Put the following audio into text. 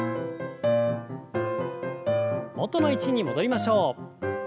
元の位置に戻りましょう。